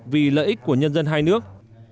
vì lợi ích của nhân dân hai nước